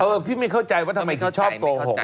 พี่ไม่เข้าใจว่าทำไมเขาชอบโกหก